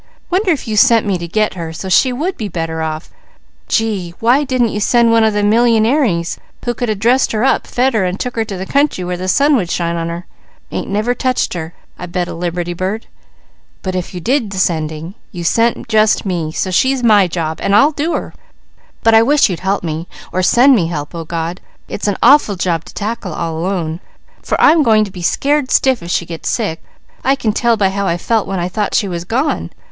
Wonder if You sent me to get her, so she would be better off. Gee, why didn't You send one of them millyingaires who could a dressed her up, fed her and took her to the country where the sun would shine on her. Ain't never touched her, I bet a liberty bird. But if You did the sending, You sent just me, so she's my job, an' I'll do her! But I wish You'd help me, or send me help, O God. It's an awful job to tackle all alone, for I'm going to be scared stiff if she gets sick. I can tell by how I felt when I thought she was gone.